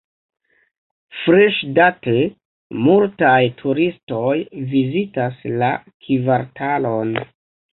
Freŝdate, multaj turistoj vizitas la kvartalon.